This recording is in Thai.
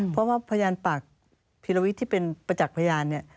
เพราะว่าพยานปากผิดละวิทย์ที่เป็นประจักษ์พยาน